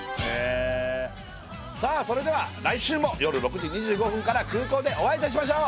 さあそれでは来週も夜６時２５分から空港でお会いいたしましょう。